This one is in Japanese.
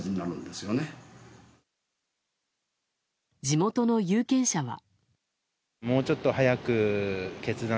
地元の有権者は。